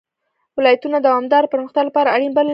ولایتونه د دوامداره پرمختګ لپاره اړین بلل کېږي.